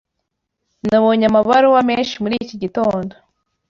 Nabonye amabaruwa menshi muri iki gitondo.